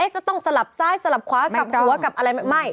จะต้องสลับซ้ายสลับขวากลับหัวกลับอะไรไม่